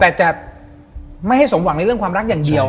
แต่จะไม่ให้สมหวังในเรื่องความรักอย่างเดียว